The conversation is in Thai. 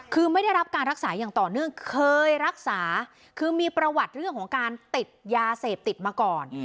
คือไม่ได้รับการรักษาอย่างต่อเนื่องเคยรักษาคือมีประวัติเรื่องของการติดยาเสพติดมาก่อน